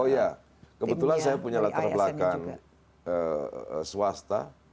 oh ya kebetulan saya punya latar belakang swasta